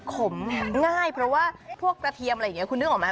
ขมง่ายเพราะว่าพวกกระเทียมอะไรอย่างนี้คุณนึกออกไหม